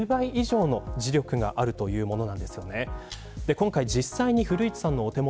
今回、実際に古市さんのお手元